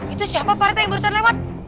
itu siapa pak rata yang baru saja lewat